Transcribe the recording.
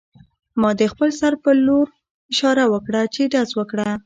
ما د خپل سر په لور اشاره وکړه چې ډز وکړه